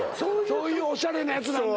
そういうおしゃれなやつなんだ？